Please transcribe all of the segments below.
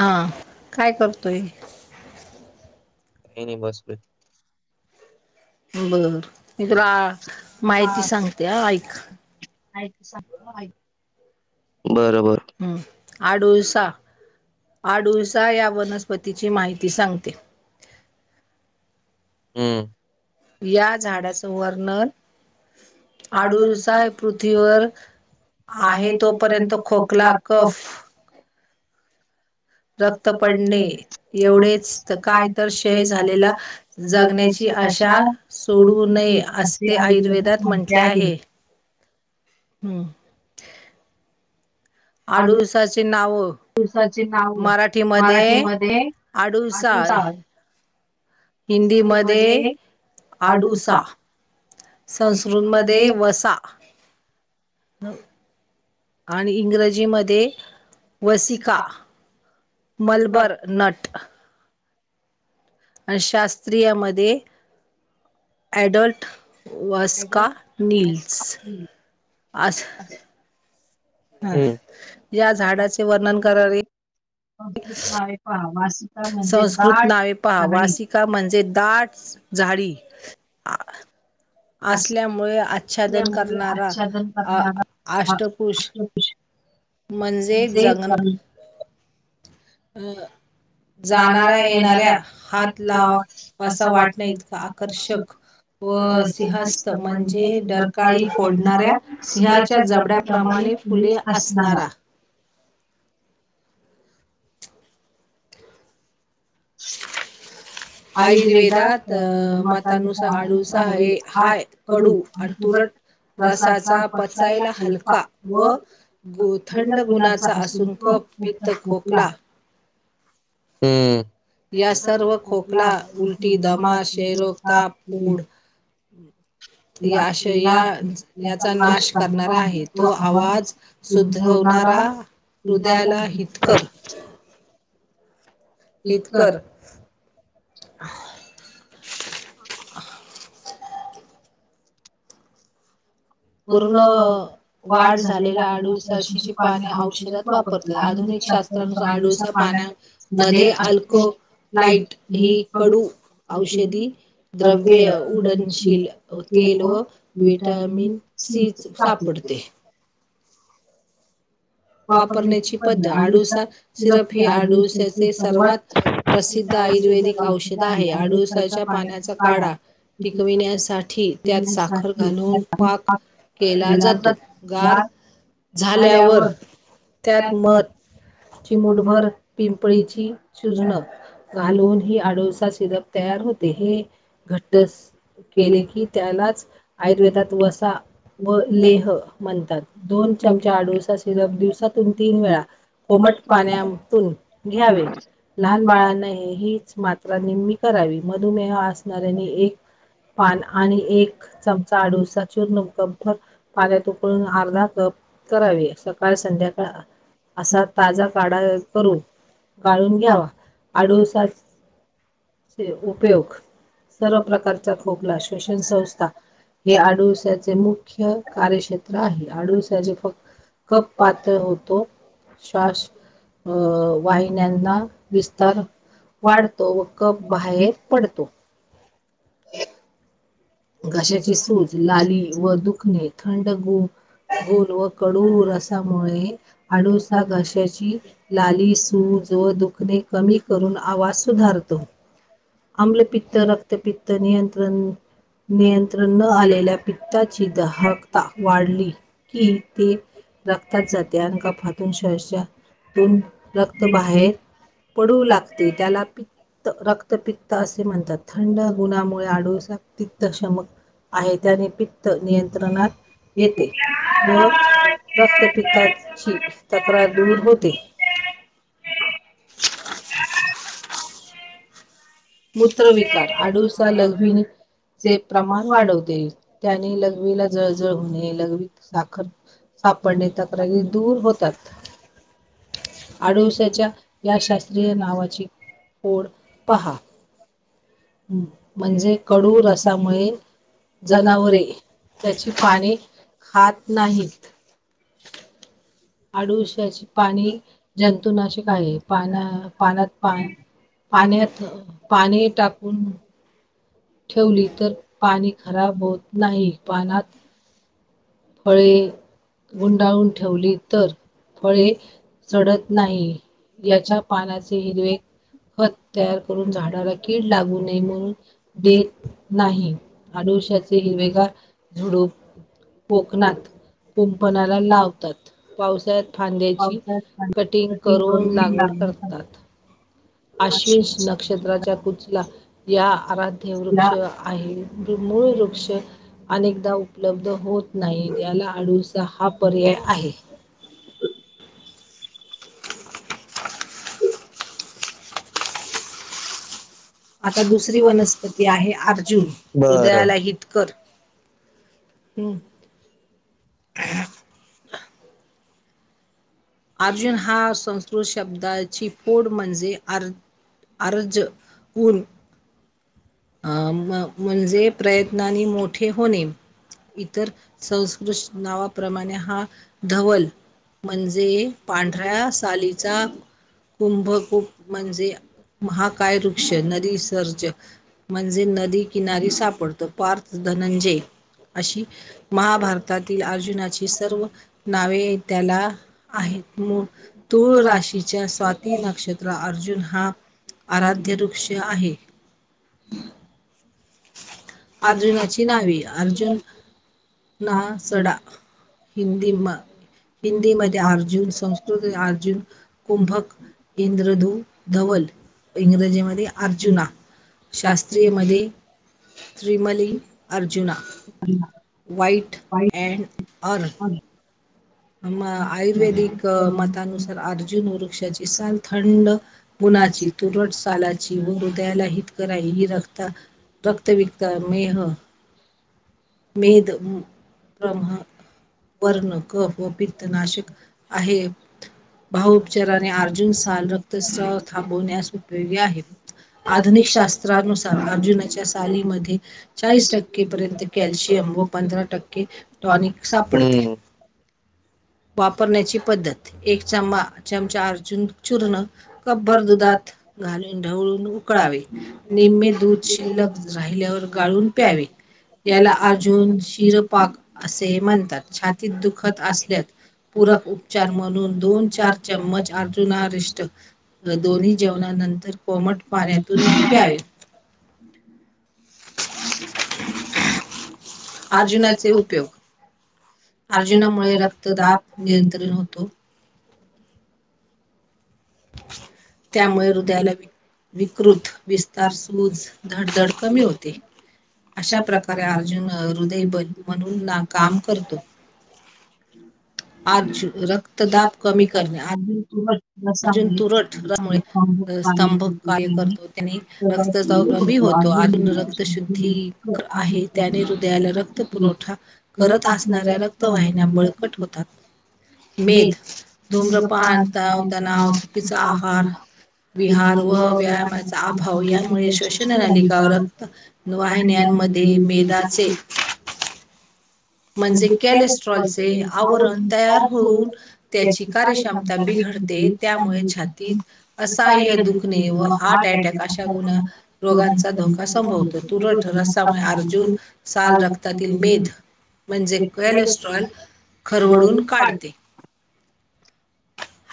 हा काय करतोय का नाही बसलोय बरं बर मी तुला माहिती सांगते ऐका बर बर ह आडुळसा आडुळसा या वनस्पतीची माहिती सांगते हम्म या झाडाचं वर्णन आडुळसाय पृथ्वीवर आहे तोपर्यंत खोकला कफ रक्त पडणे एवढेच काय तर क्षय झालेला जगण्याची आशा सोडवू नये असे आयुर्वेदात म्हटले आहे हम् आडूळसिची नावं मराठीमध्ये आडुळसा हिंदीमध्ये अडुसा संस्कृतमध्ये वसा आणि इंग्रजी मधे वसिका मलबर नट आणि शास्त्रीयामध्ये ऍडल्ट वास्का नीलस अस हा या झाडाचे वर्णन करावे संस्कृत आहे का वासिक संस्कृत नावे पहा वासिक ता म्हणजे दाट झाडी असल्यामुळे च छादन करणारा आष्टकुश म्हणजे जगण अं जाणाऱ्या येणाऱ्या आला असं वाटणे आकर्षक अ सिंह म्हणजे डरकाळी पोडणाऱ्या सिंहाच्या जगण्याप्रमाणे अ असताना आयुर्वेदात मतानुसार आडळसा हे हाय कडू आणि तुरट रसाचा पचायला हलका व ग थंड गुणाचा असुंन क पित्त खोकला हम्म खोकला बमा श [unintelligible] [unintelligible] ष्ट्रयाचा नाश करणारला आहे तो आवाज उदभवणारा होणारा उद्याला इतकर पूर्ण वाढ झालेल्या आडूसाशीची पाने औषधात वापरतात आधुनिक शास्त्र अडूलसा पाण्यामध्ये अल्को लाइट ही कडू औषधी द्रव्य उडनशील तेल व विटमिन सीच सापडते वापरण्याची पद्धत आडुळसा सिरप हे आडुळसाचे सर्वात प्रसिद्ध आयुर्वेदिक औषध आहे. आडू ळसाच्या पाण्याचा काढा टिकविण्यासाठी थी त्यात साखर घालून पाक केला जातो गार झाल्यावर त्यात मध चिमुटभर पिंपळीची चूर्ण घालून ही आडूळचा सिरप तयार होते हे घट्ट केले की त्यालाच आयुर्वेदात वसा व लेह म्हणतात. दोन चमचे आडूळचा सिरप दिव सातून तीन वेळा कोमट पाण्यातून घ्यावे लहान बाळांना हे हीच मात त्र निम्मी करावी, मधुमेह असणाऱ्यांनी एक पान आणि एक चमचा अडुळसा चूर्ण कपभर पाण्यात उकळून अर्धा कप करावे सकाळ संध्याकाळ असा ताजा काढा करून गाळून घ्यावा आडूळसा उपयोग सर्व प्रकारच्या खोकला श्वसन संस्था हे अडुळसाचे मुख्य कार्यक्षेत्र आहे अडुळसाचे फक्त कफ पात तळ होतो श्वास वाहिन्यांना विस्तार वाढतो व कप बाहेर पडतो घशाची सूज लाली व दुखणे थंड ग गुण व कडू रसामुळे अडुळसा घशाची लाली सूज व दुखणे कमी करून आवाज सुधारतो. आमलपित्त रक्तपित्त नियंत्रण नियंत्रण न आलेल्या पित्ताची दहकता वाढली की ते रक्तात जाते आणि कफातून शहसतून रक्त बाहेर पडू लागते त्याला पित्त रक्त पित्त असे म्हणतात थंड गुणामुळे अडूळसा पित्तशामक आहे त्याने पित्त नियंत्रणात येते व रक्तपित्ताची तक्रार दूर होते मूत्रविकार अडुळसा लघवीने चे प्रमाण वाढवते त्याने लघवीला जळजळ होणे लघवीत साखर सापडणे तक्रारी दूर होतात अडुळसाच्या या शास्त्रीय नावाची फोड पहा. हम्म म्हणजे कडू रसामुळे जनावरे त्याची पाने खात नाहीत अडुळसाची पाने जंतुनाशक आहे पाना पानात पा पाण्यात पाने टाकून [unintelligible] पाणी खराब हो नाही [unintelligible] फळे गुंडाळून ठेवली तर फळे सडत नाही याच्या पानाचे हिरवे खत तयार करून झाडाला कीड लागू नये म्हणून देत नाही अडुळसाचे हिरवेगार झुडूप कोकणात कुंपणाला लावतात. पावसाळ्यात फांद्याची कटिंग करून लागवड करतात. आश्विनश नक्षत्राच्या कुचला या आराध्य वृक्ष आहे. जो मूळ वृक्ष अनेकदा उपलब्ध होत नाही याला अडुळसा हा पर्याय आहे. [inaudible] आता दुसरी वनस्पती आहे अर्जुन. हृदयाला हिं कर हम्म अर्जुन ह्या संस्कृत शब्दाची फोड म्हणजे अर् अर्ज पून म म्हणजे प्रयत्नांनी मोठे होणे इतर संस्कृत नावाप्रमाणे हा धवल म्हणज जे पांढऱ्या सालीचा कुंभकूप म्हणजे महाकाय वृक्ष नरीसर्ज म्हणजे नदी किनारी सापडतो पार्थ धनंजय अशी महाभारतातील अर्जुनाची सर्व नावे त्याला. आहेत म तूळ राशीच्या स्वाती नक्षत्र अर्जुन हा. आराध्य वृक्ष आहे. अर्जुनाची नावी अर्जुन. ना सडा हिंदी हिंदी म आर् अर्जुन संस्कृत अर्जुन कुंभक इंद्रधू धवल इंग्रजीमध्ये अर्जुना शास्त्रीयमध्येमध्ये त्रिमली अर्जुना वईट अँड अऑर्ल आयुर्वेदिक मतानुसार अर्जुन वृक्षाची साल थंड. गुणाची तुरट सालाची व हृदयाला हित करा ह र क्ता रक्त विकता मेह. मेद ब्रम वर्ण क. पीर्तनाशक आहे. भावउपचाराने अर्जुन साल रक्तस्राव थांबवण्यास उपयोगी आहे. आधुनिक शास्त्रानुसार अर्जुनाच्या सालीमध्ये चाळीस टक्केपर्यंत. कॅल्शियम व पंधरा टक्के टॉनिक सा पडते. वापरण्याची पद्धत एक चमचा अर्जुन चूर्ण कबभर दुधात. घालून ढवळून उकळावे निम्मे दूध शिल्लक राहिल्यावर गाळून प्यावे. याला अर्जुन शिरपाक असे म्हणतात छातीत दुख. खत असल्या पूरक उपचार म्हणून दोन चार चममच अर्जुनारिष्ट. दोन्ही जेवणानंतर कोमट पाण्यातून प्यावे. अर्जुनाचे उपयोग. अ मला रा. त्यामुळे हृदयाला विकृत विस्तार सूज धडधड कमी होते. अशा प्रकारे अर्जुन हृदय म्हणून काम करतो. आज रक्तदाब कमी करणे. हुर. अर्जुन तुर ठमुळे स्तंभ काल करतो त्यांनी. क होतो अजून रक्त शुद्धी आहे त्याने हृदयाला रक्त पुरवठा. करत असणाऱ्या रक्तवाहिन्या बळकट होतात मेध धूम्रप आणतातानाव चुकीचा आहार विहार व व्यायामाचा अभाव यामुळे श्वसन नालिकावरक्त वाहिन्यांमध्ये मेदाचे. म्हणजे कॅलेस्ट्रॉलचे आवरण तयार होऊन त्याची कार्यक्षमता बिघडते त्यामुळे छातीत असह्य दुखणे व हार्ट अटॅक अशा गुणा. रोगांचा धोका संभवतो तुरट रसामुळे अर्जुन साल रक्तातील मेध म्हणजे कॅलेस्ट्रॉल खरवडून काढते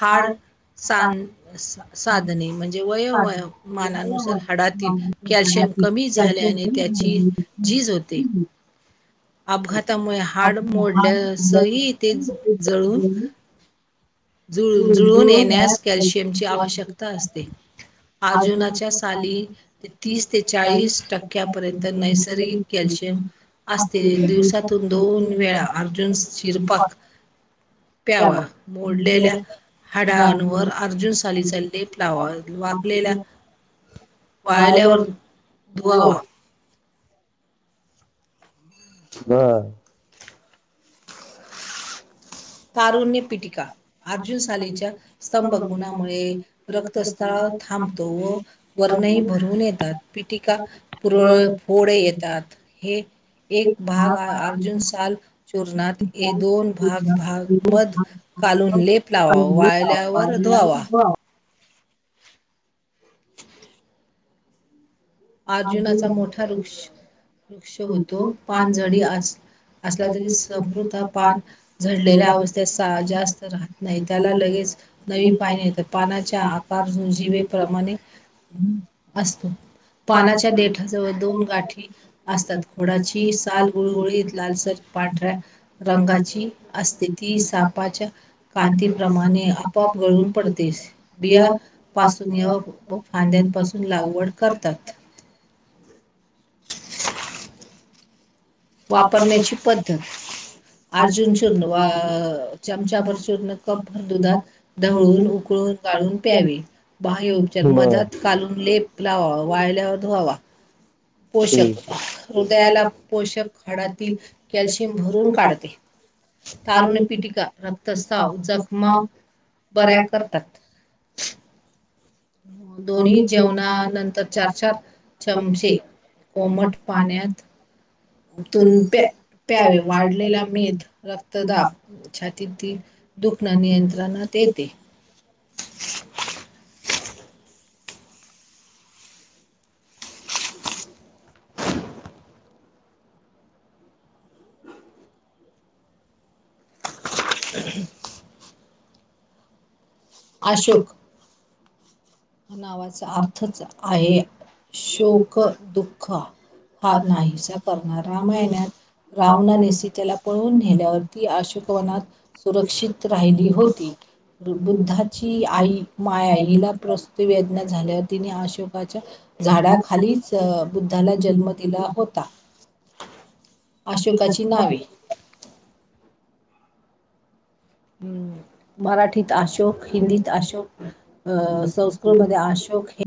हार सा साधने म्हणजे म्हणे वयो मानानुसार हडातील कॅल्शियम कमी झाल्याने त्याची झीज होते त्यामुळे हाड मोडल्यासहीथे जळून जुळून येण्यास कॅल्शियमची आवश्यकता असते अर्जुनाच्या साली तीस ते चाळीस टक्क्यापर्यंत नैसर्गिक कॅल्शियम असते दिवसातून दोन वेळा अर्जुन शिरपक प्यावा मोडलेल्या हाडाांवर अर्जुन सालीचा लेप ला वाकलेला पाळल्यावर धुवावा. बर! तारुण्य पिटिका अर्जुन सालीच्या स्तंभ गुणामुळे रक्तस्थळ थांबतो व वर्णही भरवून येतात पिटिका पुरळ फोडे येतात हे एक भाग अर्जुन साल चूर्णात हे दोन भाग भाग मध कालवून लेप लावा वाळल्यावर धुवावा. अर्जुनाचा मोठा वृक्ष वृक्ष होतो पाणझडी अस असला तरी समृद्ध पान झडलेल्या अवस्थेत जास्त राहत. नाही त्याला लगेच नवी पाणी येतं पानाच्या आकार जीवेप्रमाणे असस्त. पानाच्या देठाजवळ दोन गाठी असतात खोडाची साल गुळगुळीत लालसर पांढऱ्या रंगाची असते ती सापाच्या कांतीप्रमाणे पंप गळून पडतेस बियापासून या फांद्यांपासून लागवड करतात. वापरण्याची पद्धत अर्जुन चूर्ण चमचा भर चूर्ण कप भर दुधात. ढवळून उकळून गाळून प्यावे बाह्य उपचार मधात कालून लेप लावावा वाळल्यावर धुवावा पोषक हृदयाला पोषक हाडातील कॅल्शियम भरून काढते. तारुण पिटिका रक्तस्राव जखमा बऱ्या करता. दोन्ही जेवणा नंतर चार, चार चमचे. कोमट पाण्यात तुनप्या प्यावे वाढलेला मेध रक्तदाब छातीत त दुखणं नियंत्रणात येते. अशुक नावाचा अर्थच आहे शोक दुःख हा नाहीसा करणार रामायणात रावणा सीतेला त्याला पळून नेल्यावरती अशोकवनात सुरक्षित राहिली होती. बुद्धाची आई माया हिला प्रस्तुती वेदना झाल्यावर तिने अशोकाच्या झाडाखालीच बुद्धाला जन्म दिला होता. अशोकाची नावे हम्म मराठीत अशोक हिंदीत अशोक अ संस्कृतमध्ये अशोक हे